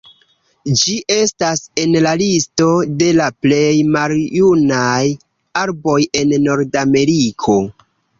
Ĝi estas en la listo de la plej maljunaj arboj en Nordameriko.